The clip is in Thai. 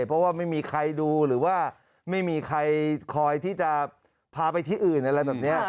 เพราะว่าไม่มีใครดูหรือว่าไม่มีใครคอยที่จะพาไปที่อื่นอะไรแบบนี้